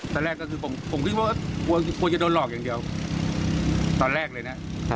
ตอนแรกก็คือผมคิดว่ากลัวจะโดนหลอกอย่างเดียวตอนแรกเลยนะ